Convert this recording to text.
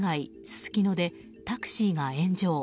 すすきのでタクシーが炎上。